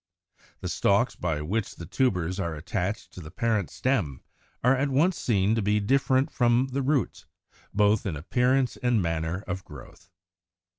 The stalks by which the tubers are attached to the parent stem are at once seen to be different from the roots, both in appearance and manner of growth.